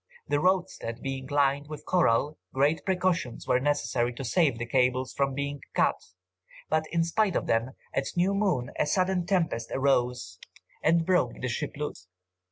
The roadstead being lined with coral, great precautions were necessary to save the cables from being cut, but in spite of them, at new moon, a sudden tempest arose and broke the ship loose.